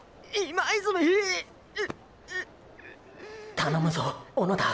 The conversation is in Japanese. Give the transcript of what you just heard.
たのむぞ小野田！